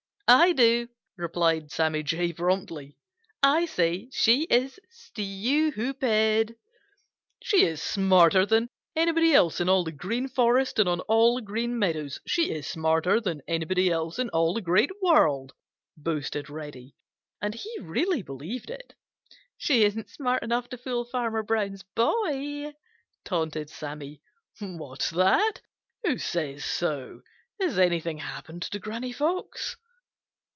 "I do," replied Sammy Jay promptly. "I say she is stupid." "She is smarter than anybody else in all the Green Forest and on all the Green Meadows. She is smarter than anybody else in all the Great World," boasted Reddy, and he really believed it. "She isn't smart enough to fool Farmer Brown's boy," taunted Sammy. "What's that? Who says so? Has anything happened to Granny Fox?"